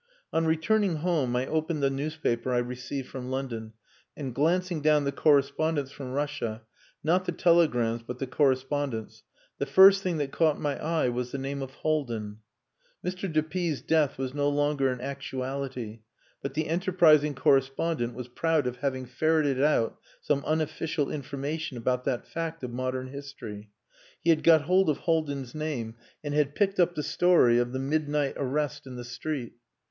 On returning home I opened the newspaper I receive from London, and glancing down the correspondence from Russia not the telegrams but the correspondence the first thing that caught my eye was the name of Haldin. Mr. de P 's death was no longer an actuality, but the enterprising correspondent was proud of having ferreted out some unofficial information about that fact of modern history. He had got hold of Haldin's name, and had picked up the story of the midnight arrest in the street.